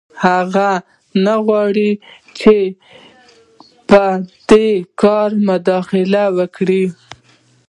هغه نه غواړي چې ته په دې کار کې مداخله وکړې